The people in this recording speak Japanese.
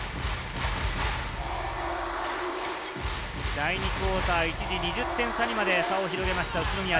第２クオーター、一時２０点差にまで差を広げました、宇都宮。